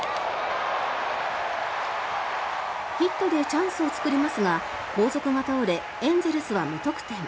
ヒットでチャンスを作りますが後続が倒れエンゼルスは無得点。